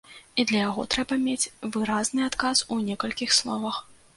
І для яго трэба мець выразны адказ у некалькіх словах.